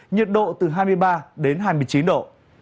nhiệt độ từ hai mươi ba đến hai mươi chín độ